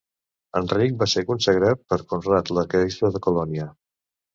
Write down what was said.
Enric va ser consagrat per Conrad, l'arquebisbe de Colònia.